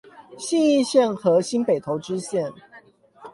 信義線和新北投支線